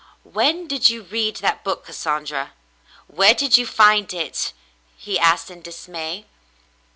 "When did you read that book, Cassandra.? Where did you find it ?" he asked, in dismay.